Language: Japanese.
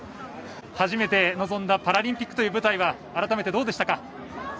初めて臨んだパラリンピックという舞台は改めて、どうでしたか。